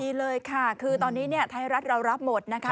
ดีเลยค่ะคือตอนนี้เนี่ยไทยรัฐเรารับหมดนะคะ